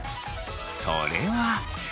それは。